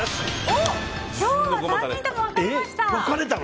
今日は３人とも分かれました。